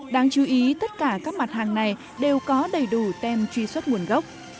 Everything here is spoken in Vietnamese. đáng chú ý tất cả các mặt hàng này đều có đầy đủ tem truy xuất nguồn gốc